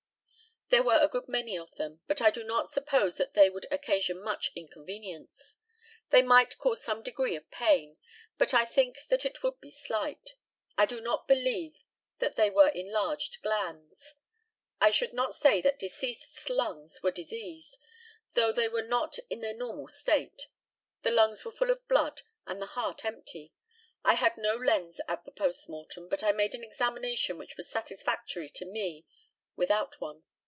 There were a good many of them, but I do not suppose that they would occasion much inconvenience. They might cause some degree of pain, but I think that it would be slight. I do not believe that they were enlarged glands. I should not say that deceased's lungs were diseased, though they were not in their normal state. The lungs were full of blood and the heart empty. I had no lens at the post mortem, but I made an examination which was satisfactory to me, without one.